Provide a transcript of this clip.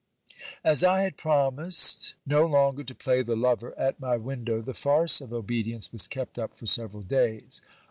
As I had promised no longer to play the lover at my window, the farce of obedience was kept up for several days.